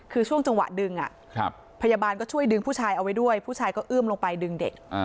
คือช่วงจังหวะดึงพยาบาลก็ช่วยดึงผู้ชายเอาไว้ด้วยผู้ชายก็เอื้อมลงไปดึงเด็ก